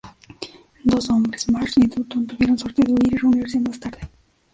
Dos hombres, Marsh y Dutton, tuvieron suerte de huir y reunirse más tarde.